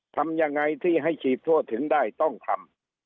ทำยังไงที่ให้ฉีดทั่วถึงได้ต้องทำ